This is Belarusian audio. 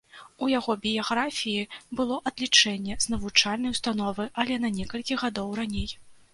У яго біяграфіі было адлічэнне з навучальнай установы, але на некалькі гадоў раней.